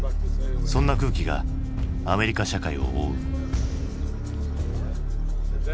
そんな空気がアメリカ社会を覆う。